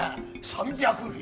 ３００両。